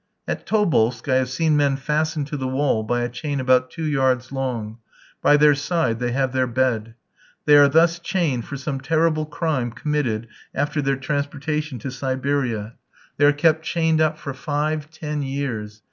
At Tobolsk I have seen men fastened to the wall by a chain about two yards long; by their side they have their bed. They are thus chained for some terrible crime committed after their transportation to Siberia; they are kept chained up for five, ten years.